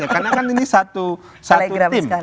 karena kan ini satu tim